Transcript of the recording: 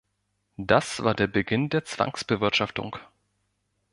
Das war der Beginn der Zwangsbewirtschaftung.